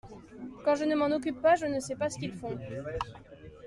Quand je ne m’en occupe pas je ne sais pas ce qu’ils font.